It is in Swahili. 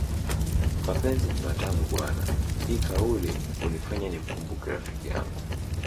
Mapenzi ni matamu bwana hii kauli hunifanya nimkumbuke rafikiyangu